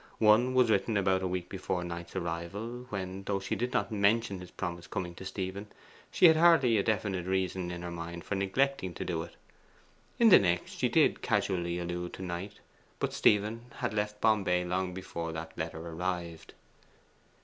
One was written about a week before Knight's arrival, when, though she did not mention his promised coming to Stephen, she had hardly a definite reason in her mind for neglecting to do it. In the next she did casually allude to Knight. But Stephen had left Bombay long before that letter arrived.